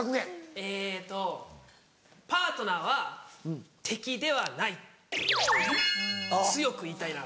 えっと「パートナーは敵ではない」というのを強く言いたいなと。